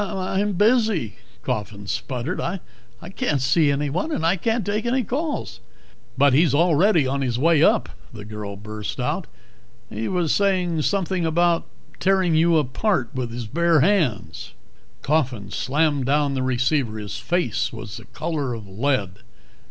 "I'm busy," Coffin sputtered. "I can't see anyone. And I can't take any calls." "But he's already on his way up," the girl burst out. "He was saying something about tearing you apart with his bare hands." Coffin slammed down the receiver. His face was the color of lead.